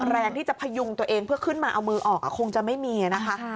แรงที่จะพยุงตัวเองเพื่อขึ้นมาเอามือออกคงจะไม่มีนะคะ